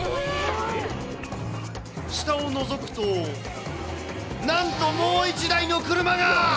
下をのぞくと、なんともう１台の車が。